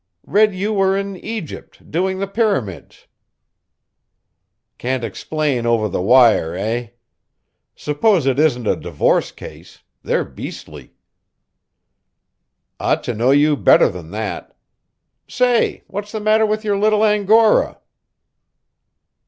Read you were in Egypt, doing the pyramids. Can't explain over the wire, eh. Hope it isn't a divorce case; they're beastly. Ought to know you better than that. Say, what's the matter with your little angora?